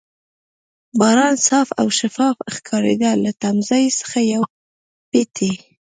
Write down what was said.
باران صاف او شفاف ښکارېده، له تمځای څخه یو پېټی.